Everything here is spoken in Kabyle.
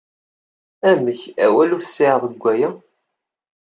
Amek, awal ur t-sɛiɣ deg aya?